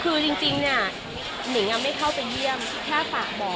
คือจริงเนี่ยหนิงไม่เข้าไปเยี่ยมแค่ฝากบอก